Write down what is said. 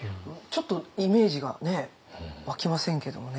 ちょっとイメージが湧きませんけどもね。